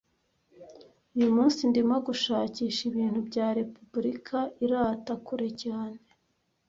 (Uyu munsi ndimo gushakisha ibintu bya repubulika irata kure cyane.)